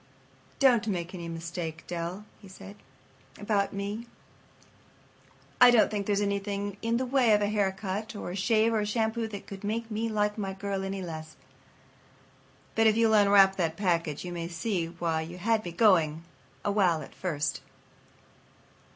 "Don't make any mistake, Dell," he said, "about me. I don't think there's anything in the way of a haircut or a shave or a shampoo that could make me like my girl any less. But if you'll unwrap that package you may see why you had me going a while at first."